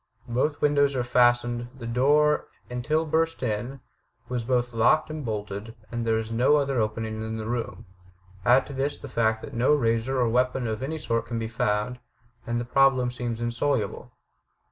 Both windows are fastened; the door, until burst in, was both locked and bolted; and there is no other opening in the room. Add to this the fact that no razor or weapon of any sort can be found, and the problem FURTHER ADVICES 3II seems insoluble.